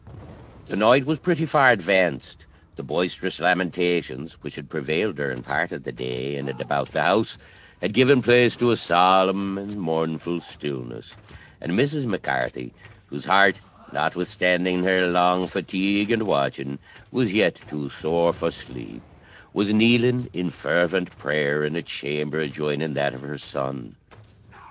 The night was pretty far advanced; the boisterous lamentations which had prevailed during part of the day in and about the house had given place to a solemn and mournful stillness; and Mrs. Mac Carthy, whose heart, notwithstanding her long fatigue and watching, was yet too sore for sleep, was kneeling in fervent prayer in a chamber adjoining that of her son.